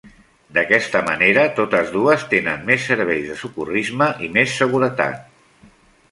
D'aquesta manera totes dues tenen més serveis de socorrisme i més seguretat.